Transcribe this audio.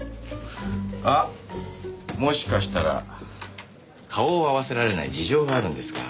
あっもしかしたら顔を合わせられない事情があるんですか？